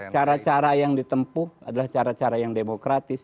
cara cara yang ditempuh adalah cara cara yang demokratis